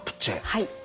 はい。